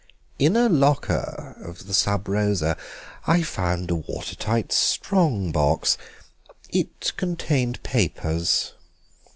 "In a locker of the Sub Rosa I found a water tight strong box. It contained papers."